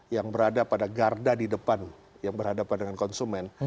yang berada pada garda di depan yang berhadapan dengan konsumen